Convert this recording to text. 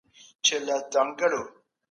سیاستپوهنه یوه نړیواله رشته ده.